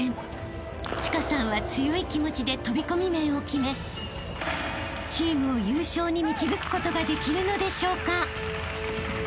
［千佳さんは強い気持ちで飛び込み面を決めチームを優勝に導くことができるのでしょうか］